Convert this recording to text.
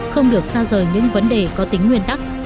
không được xa rời những vấn đề có tính nguyên tắc